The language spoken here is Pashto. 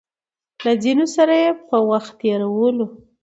له ځينو سره يې په وخت تېرولو